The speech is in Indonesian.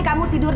kamu tidur di